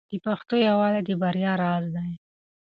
د پښتنو یووالی د بریا راز دی.